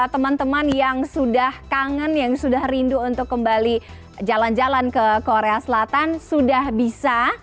teman teman yang sudah kangen yang sudah rindu untuk kembali jalan jalan ke korea selatan sudah bisa